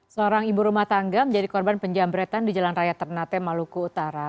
seorang ibu rumah tangga menjadi korban penjambretan di jalan raya ternate maluku utara